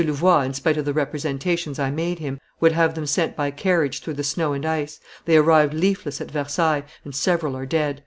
Louvois, in spite of the representations I made him, would have them sent by carriage through the snow and ice. They arrived leafless at Versailles, and several are dead.